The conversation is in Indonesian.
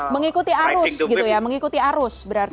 mengikuti arus gitu ya mengikuti arus berarti